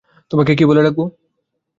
তোমাকে কী বলে ডাকবো?